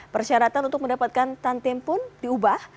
persyaratan untuk mendapatkan tantim pun diubah